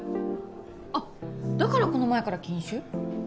あっだからこの前から禁酒？